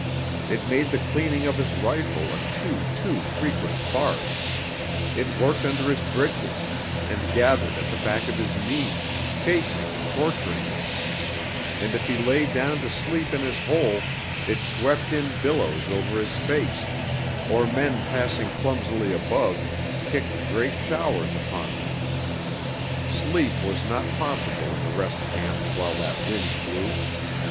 It made the cleaning of his rifle a too, too frequent farce; it worked under his breeches, and gathered at the back of his knees, chafing and torturing him; and if he lay down to sleep in his hole it swept in billows over his face, or men passing clumsily above kicked great showers upon him. Sleep was not possible in the rest camps while that wind blew.